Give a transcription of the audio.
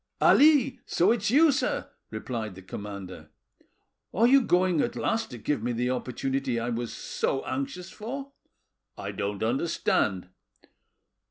"Ali! so it's you, sir," replied the commander. "Are you going at last to give me the opportunity I was so anxious for?" "I don't understand."